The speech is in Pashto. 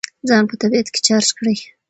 ځان په طبیعت کې چارج کړئ.